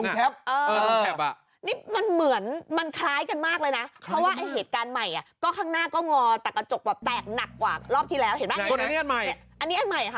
จำได้ใช่มั้ย